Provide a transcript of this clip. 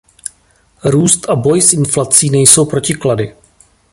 Růst a boj s inflací nejsou protiklady.